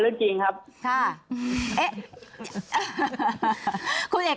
คุณเอกวีสนิทกับเจ้าแม็กซ์แค่ไหนคะ